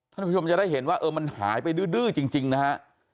ท่านผู้ชมจะได้เห็นว่าเออมันหายไปดื้อจริงนะฮะ